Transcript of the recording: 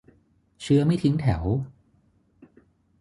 เชื้อไม่ทิ้งแถว